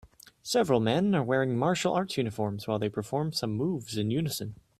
Several men are wearing martial arts uniforms while they perform some moves in unison